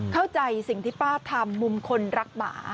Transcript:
เข้าใจสิ่งที่ป้าทำมุมคนรักหมา